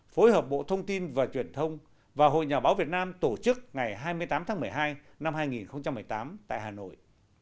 phối hợp bộ thông tin và truyền thông và hội nhà báo việt nam tổ chức ngày hai mươi tám tháng một mươi hai năm hai nghìn một mươi tám tại hà nội